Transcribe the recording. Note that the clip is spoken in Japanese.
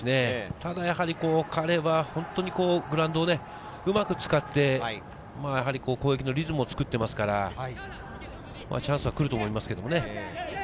ただ彼は本当にグラウンドをうまく使って攻撃のリズムを作っていますから、チャンスは来ると思いますけどね。